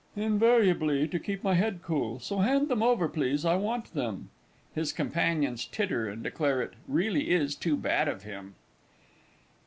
Invariably to keep my head cool; so hand them over, please; I want them. [_His Companions titter, and declare "it really is too bad of him!"